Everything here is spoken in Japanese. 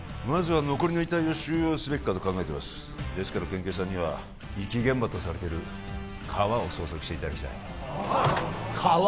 まずは残りの遺体を収容すべきかと考えていますですから県警さんには遺棄現場とされてる川を捜索していただきたい川？